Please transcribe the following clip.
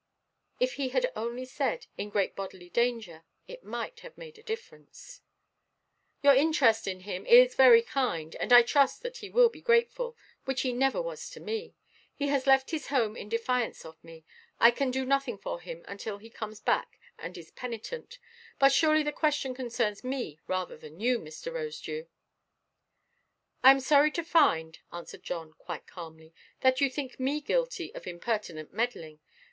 If he had only said "in great bodily danger," it might have made a difference. "Your interest in him is very kind; and I trust that he will be grateful, which he never was to me. He has left his home in defiance of me. I can do nothing for him until he comes back, and is penitent. But surely the question concerns me rather than you, Mr. Rosedew." "I am sorry to find," answered John, quite calmly, "that you think me guilty of impertinent meddling.